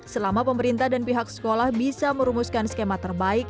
selama pemerintah dan pihak sekolah bisa merumuskan skema terbaik